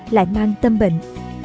lại mang tâm bệnh